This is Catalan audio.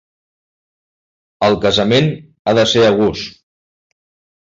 El casament ha de ser a gust.